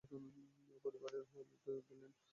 ঐ পরিবারের লোকদের দিলেন।